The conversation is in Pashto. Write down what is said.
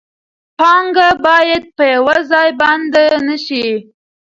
پانګه باید په یو ځای بنده نشي.